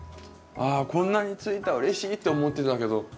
あこんなについたうれしいって思ってたけど。